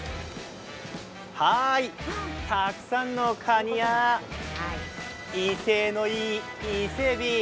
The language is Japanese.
たくさんのカニや威勢のいい伊勢えび。